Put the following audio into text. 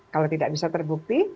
kalau tidak bisa terbukti